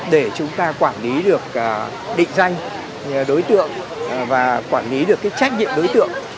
để chúng ta quản lý được định danh đối tượng và quản lý được trách nhiệm đối tượng